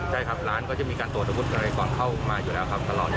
ใช่ครับร้านก็จะมีการตรวจอาวุธอะไรก่อนเข้ามาอยู่แล้วครับตลอด